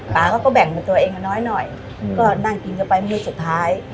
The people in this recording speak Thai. ปาก็ก็แบ่งเป็นตัวเองน้อยหน่อยอืมก็นั่งกินเยอะไปมือสุดท้าย